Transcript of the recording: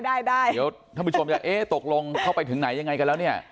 เดี๋ยวท่านผู้ชมจะเอ๊ะตกลงเข้าไปถึงไหนยังไงกันแล้วเนี่ย